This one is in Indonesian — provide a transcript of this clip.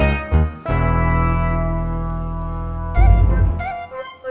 tiba tiba aku privat lebih agak